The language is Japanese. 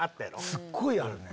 すっごいあるね。